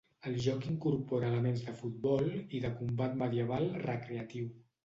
El joc incorpora elements de futbol i de combat medieval recreatiu.